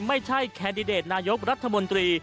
ไม่ใช่แคนดิเดตนายกรัฐมนตรี